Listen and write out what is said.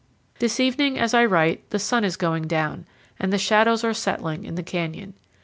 This evening, as I write, the sun is going down and the shadows are settling in the canyon.